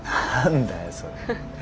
何だよそれ。